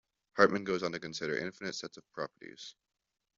Hartman goes on to consider infinite sets of properties.